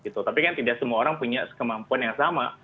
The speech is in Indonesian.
tapi kan tidak semua orang punya kemampuan yang sama